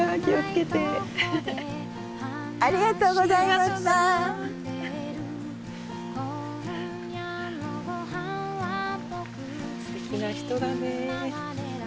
すてきな人だね。